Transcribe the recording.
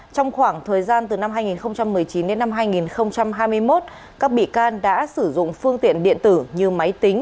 trong khoảng thời gian từ năm hai nghìn một mươi chín đến năm hai nghìn hai mươi một các bị can đã sử dụng phương tiện điện tử như máy tính